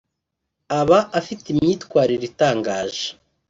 aba afite imyitwarire itangaje